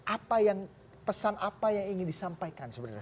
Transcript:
apa yang pesan apa yang ingin disampaikan sebenarnya